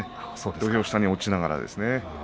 土俵下に落ちながらですね。